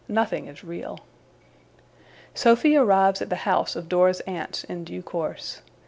Nothing is real. Sophy arrives at the house of Dora's aunts, in due course.